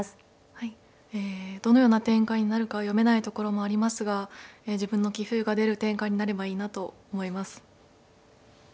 はいえどのような展開になるかは読めないところもありますが自分の棋風が出る展開になればいいなと思います。